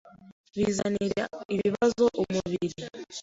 bizanira ibibazo umubiri.